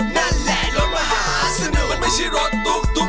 นั่นแหละรถมหาสนุกมันไม่ใช่รถตุ๊ก